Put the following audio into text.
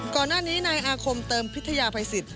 ก่อนหน้านี้ในอาควมเติมพิธปมัณฑ์ภายสิทธิ์